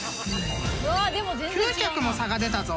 ［９着も差が出たぞ！］